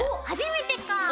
初めてか。